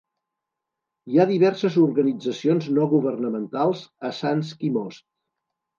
Hi ha diverses organitzacions no governamentals a Sanski Most.